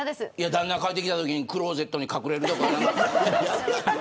旦那が帰って来たときにクローゼットに隠れるとか。